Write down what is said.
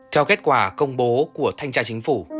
theo kết quả công bố của thanh tra chính phủ